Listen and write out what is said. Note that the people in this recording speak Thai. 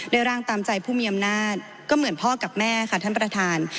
ร่างตามใจผู้มีอำนาจก็เหมือนพ่อกับแม่ค่ะท่านประธาน